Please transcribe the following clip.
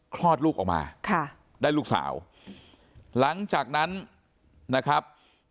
คลอดลูกออกมาค่ะได้ลูกสาวหลังจากนั้นนะครับ